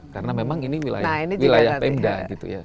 karena memang ini wilayah pemda gitu ya